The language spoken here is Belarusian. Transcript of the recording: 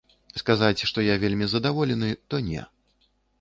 Сказаць, што я вельмі задаволены, то не.